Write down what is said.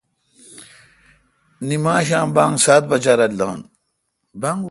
نماشام اذان سات بجا رل دان